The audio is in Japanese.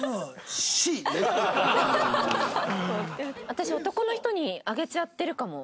私男の人にあげちゃってるかも。